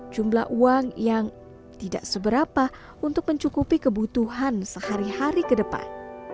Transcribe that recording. jumlah uang yang tidak seberapa untuk mencukupi kebutuhan sehari hari ke depan